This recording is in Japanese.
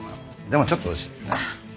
でもちょっと。